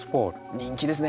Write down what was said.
人気ですね。